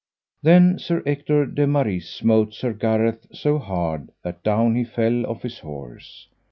Then Sir Ector de Maris smote Sir Gareth so hard that down he fell off his horse.